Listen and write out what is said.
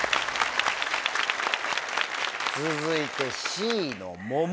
続いてＣのモモ。